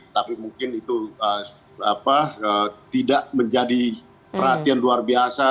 tapi mungkin itu tidak menjadi perhatian luar biasa